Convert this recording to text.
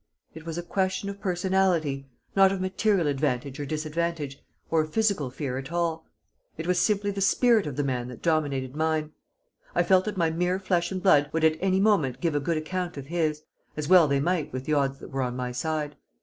It was a question of personality, not of material advantage or disadvantage, or of physical fear at all. It was simply the spirit of the man that dominated mine. I felt that my mere flesh and blood would at any moment give a good account of his, as well they might with the odds that were on my side.